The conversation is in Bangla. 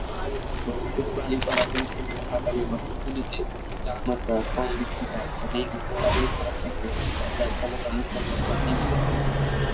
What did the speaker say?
ভবিষ্যদ্বাণী করা হয়েছে যে আগামী বছরগুলিতে উচ্চ তাপমাত্রা, কম বৃষ্টিপাত এবং দীর্ঘকালীন খরা থাকবে যার ফলে পানির সরবরাহ কমে যাবে।